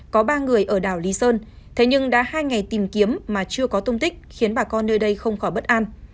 có ba người ở đảo lý sơn thế nhưng đã hai ngày tìm kiếm mà chưa có tung tích khiến bà con nơi đây không khỏi bất an